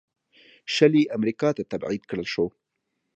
شلي امریکا ته تبعید کړل شول.